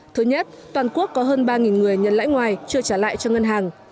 thứ nhất toàn quốc có hơn ba người nhận lãi ngoài chưa trả lại cho ngân hàng